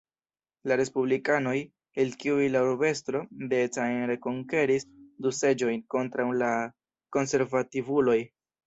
La respublikanoj, el kiuj la urbestro de Caen rekonkeris du seĝojn kontraŭ la konservativuloj.